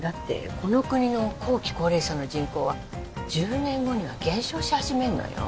この国の後期高齢者の人口は１０年後には減少し始めるのよ